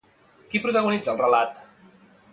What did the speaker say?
Qui protagonitza el relat?